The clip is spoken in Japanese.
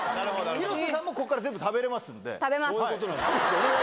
広瀬さんもここから全部食べれま食べます。